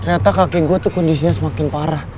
ternyata kakek gue tuh kondisinya semakin parah